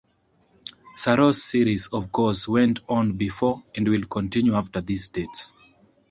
Saros series, of course, went on before and will continue after these dates.